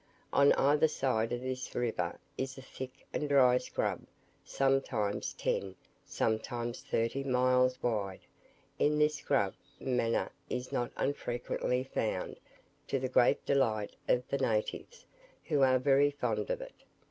On either side of this river is a thick and dry scrub sometimes ten, sometimes thirty miles wide. In this scrub, manna is not unfrequently found, to the great delight of the natives, who are very fond of it.